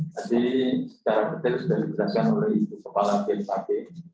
tadi secara betul sudah diberikan oleh ibu kepala bmkg